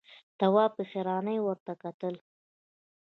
تواب په حيرانۍ ورته کتل…